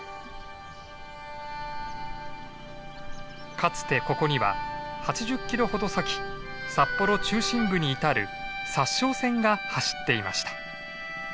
かつてここには８０キロほど先札幌中心部に至る札沼線が走っていました。